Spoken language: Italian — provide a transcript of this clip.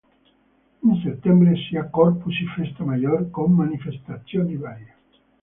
In settembre si ha "Corpus i Festa Mayor" con manifestazioni varie.